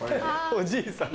おじいさん。